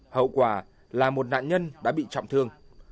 hậu quả là một nạn nhân đã bị trọng thương